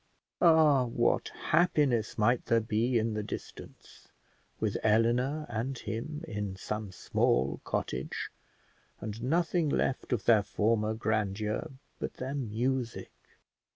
Ah, what happiness might there be in the distance, with Eleanor and him in some small cottage, and nothing left of their former grandeur but their music!